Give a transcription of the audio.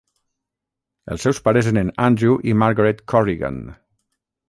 Els seus pares eren Andrew i Margaret Corrigan.